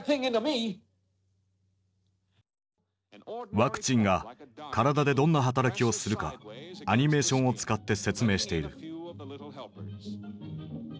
ワクチンが体でどんな働きをするかアニメーションを使って説明している。